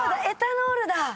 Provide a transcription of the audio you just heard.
「エタノール」だ。